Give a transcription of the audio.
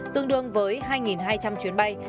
tương đương với hai hai trăm linh chuyến bay